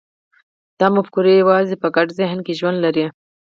دا مفکورې یوازې په ګډ ذهن کې ژوند لري.